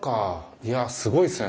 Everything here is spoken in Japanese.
いやすごいっすね